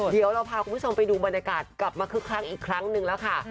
เดี๋ยวเราพาคุณผู้ชมไปดูบรรยากาศกลับมาคึกคักอีกครั้งนึงแล้วค่ะ